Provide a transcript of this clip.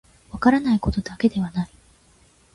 分からないことだけではない